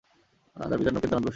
তার পিতার নাম কেদারনাথ বসু।